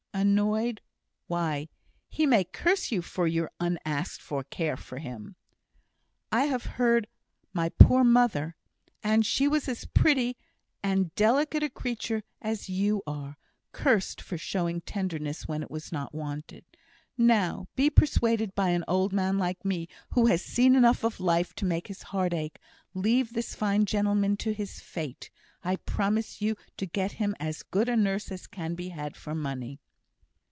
"Annoyed, why! he may curse you for your unasked for care of him. I have heard my poor mother and she was as pretty and delicate a creature as you are cursed for showing tenderness when it was not wanted. Now, be persuaded by an old man like me, who has seen enough of life to make his heart ache leave this fine gentleman to his fate. I'll promise you to get him as good a nurse as can be had for money."